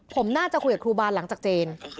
ผมน่าจะคุยกับครูบาหลังจากเจน